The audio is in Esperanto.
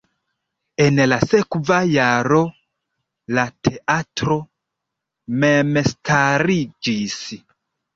En la sekva jaro la teatro memstariĝis.